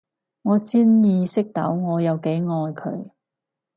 我先意識到我有幾愛佢